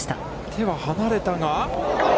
手は離れたが。